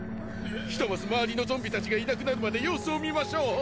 ひとまず周りのゾンビたちがいなくなるまで様子を見ましょう。